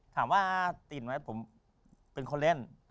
ถามว่าตินไหมผมเป็นคนเล่น